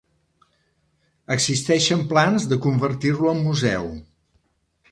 Existeixen plans de convertir-lo en museu.